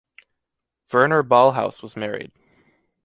Werner Ballhaus was married.